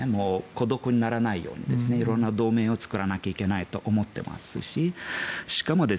孤独にならないように色んな同盟を作らなきゃいけないと思っていますししかも、